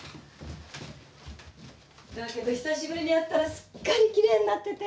だけど久しぶりに会ったらすっかり奇麗になってて。